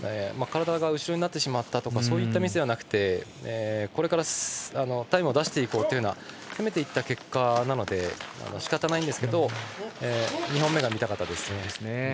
体が後ろになってしまったとかそういうミスではなくこれからタイムを出していこうというような攻めていった結果なのでしかたないんですけど２本目が見たかったですね。